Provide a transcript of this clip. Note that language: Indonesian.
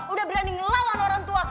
udah berani ngelawan orang tua